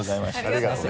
ありがとね。